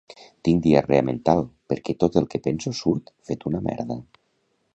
Tinc diarrea mental perquè tot el que penso surt fet una merda